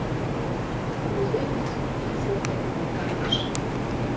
Кузе йӱд писын эртен кайыш!